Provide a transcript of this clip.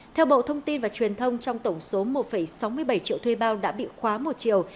theo bộ thông tin và truyền thông trong tổng số một sáu mươi bảy triệu thuê bao đã bị khóa một triệu